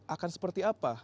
akan seperti apa